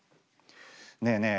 ねえねえ